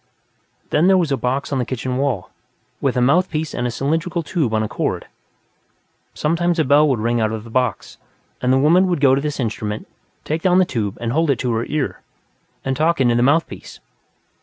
Then, there was a box on the kitchen wall, with a mouthpiece and a cylindrical tube on a cord. Sometimes a bell would ring out of the box, and the woman would go to this instrument, take down the tube and hold it to her ear, and talk into the mouthpiece.